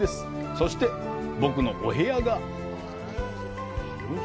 そして、僕のお部屋が。